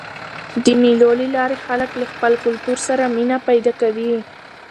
د مېلو له لاري خلک له خپل کلتور سره مینه پیدا کوي.